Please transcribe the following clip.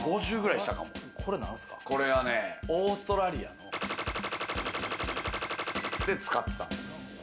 これはね、オーストラリアの○○で使ってた。